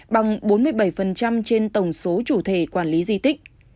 bằng bốn mươi bảy trên tổng số chủ thể quản lý di tích